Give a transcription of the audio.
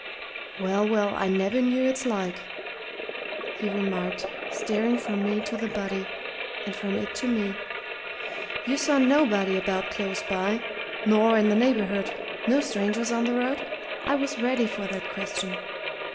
"Well, well, I never knew its like!" he remarked, staring from me to the body, and from it to me. "You saw nobody about close by nor in the neighbourhood no strangers on the road?" I was ready for that question.